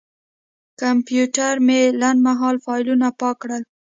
کمپیوټر مې لنډمهاله فایلونه پاک کړل.